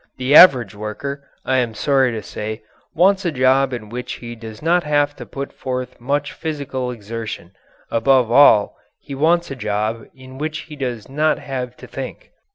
The average worker, I am sorry to say, wants a job in which he does not have to put forth much physical exertion above all, he wants a job in which he does not have to think.